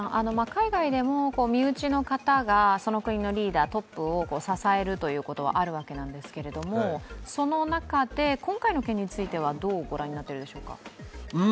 海外でも身内の方がその国のリーダー、トップを支えるということはあるわけですが、その中で今回の件についてはどうご覧になっているでしょうか？